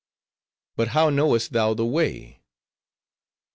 "But how knowest thou the way?"